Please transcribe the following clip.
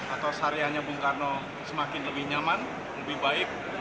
atau syariahnya bung karno semakin lebih nyaman lebih baik